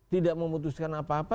tidak memutuskan apa apa